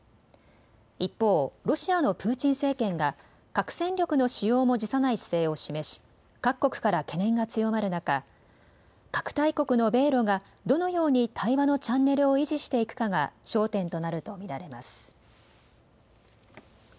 一方、ロシアのプーチン政権が核戦力の使用も辞さない姿勢を示し各国から懸念が強まる中、核大国の米ロがどのように対話のチャンネルを維持していくかが焦点となると見られます。